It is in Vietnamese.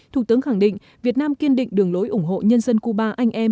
thủ tướng khẳng định việt nam kiên định đường lối ủng hộ nhân dân cuba anh em